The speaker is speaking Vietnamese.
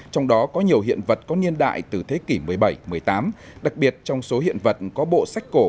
trong đó có nhiều hiện vật có niên đại từ thế kỷ một mươi bảy một mươi tám đặc biệt trong số hiện vật có bộ sách cổ